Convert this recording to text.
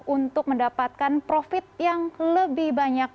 untuk mendapatkan profit yang lebih banyak